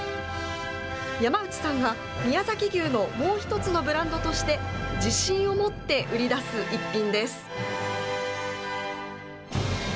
山内さんが宮崎牛のもう一つのブランドとして、自信を持って売り出す一品です。